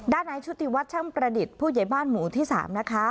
นายชุติวัฒนช่างประดิษฐ์ผู้ใหญ่บ้านหมู่ที่๓นะคะ